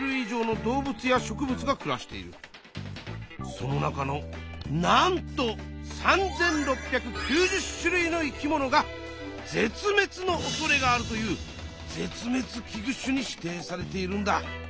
その中のなんと３，６９０種類の生き物が絶滅のおそれがあるという絶滅危惧種に指定されているんだ。